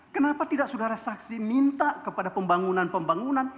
kenapa tidak saudara saksi minta kepada pembangunan pembangunan